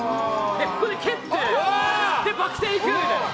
ここで蹴ってバック転いくみたいな。